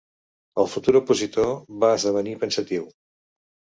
...el futur opositor va esdevenir pensatiu.